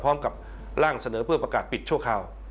พร้อมกับร่างเสนอเพื่อประกาศปิดชั่วคราว